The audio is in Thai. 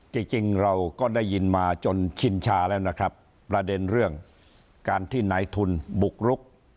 จริงจริงเราก็ได้ยินมาจนชินชาแล้วนะครับประเด็นเรื่องการที่นายทุนบุกรุก